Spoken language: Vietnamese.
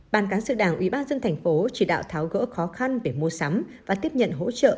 bàn cán sự đảng ubnd tp chỉ đạo tháo gỡ khó khăn về mua sắm và tiếp nhận hỗ trợ